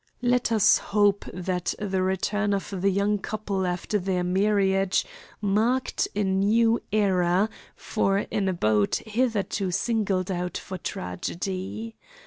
Let us hope that the return of the young couple after their marriage marked a new era for an abode hitherto singled out for tragedy.